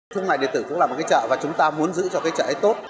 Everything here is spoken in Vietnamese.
thương mại điện tử cũng là một cái chợ và chúng ta muốn giữ cho cái chợ ấy tốt